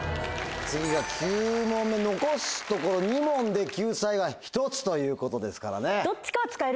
次が９問目残すところ２問で救済が１つということですからね。